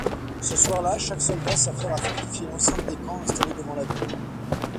Ce soir-là, chaque soldat s'affaire à fortifier l’enceinte des camps, installés devant la ville.